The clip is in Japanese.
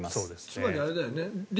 つまり、あれだよね